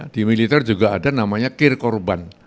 di militer juga ada namanya kir korban